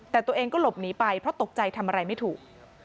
แต่ตัวเองก็หลบหนีไปเพราะตกใจทำอะไรไม่ถูก